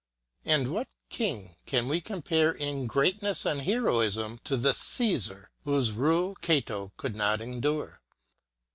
And what king can we compare in greatness and heroism to the Cffisar whose rule Cato would not endure